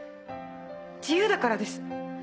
自由だからです。